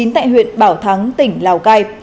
tại huyện bảo thắng tỉnh lào cai